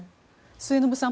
末延さん